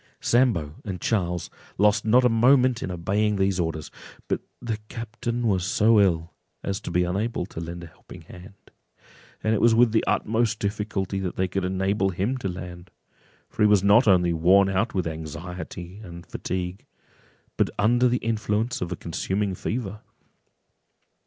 Sambo and Charles lost not a moment in obeying these orders; but the captain was so ill, as to be unable to lend a helping hand; and it was with the utmost difficulty that they could enable him to land, for he was not only worn out with anxiety and fatigue, but under the influence of a consuming fever.